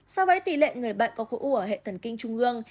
so với tỷ lệ người bệnh có khối u ở hệ thần kinh trung ương